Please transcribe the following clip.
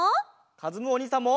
かずむおにいさんも！